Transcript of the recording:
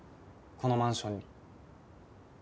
このマンションに。